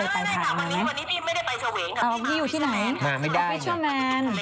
อยากไม่ได้ฟิเชอร์แมน